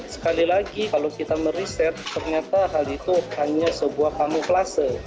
sekali lagi kalau kita meriset ternyata hal itu hanya sebuah kamuflase